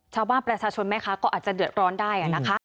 ถ้าว่าประชาชนไหมคะก็อาจจะเดือดร้อนได้